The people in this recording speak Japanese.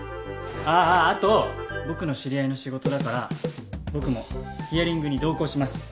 あぁ後僕の知り合いの仕事だから僕もヒアリングに同行します。